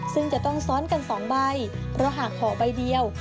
ซึ่งจะต้องซ้อนกัน๒ใบเพราะหากห่อใบเดียว